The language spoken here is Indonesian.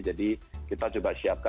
jadi kita coba siapkan